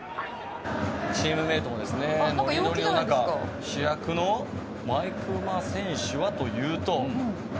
チームメートもですねノリノリの中主役の毎熊選手はというと。